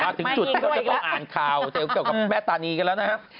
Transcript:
ถึงจุดที่เราจะต้องอ่านข่าวเกี่ยวกับแม่ตานีกันแล้วนะครับ